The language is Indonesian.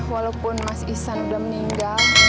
walaupun mas isan belum meninggal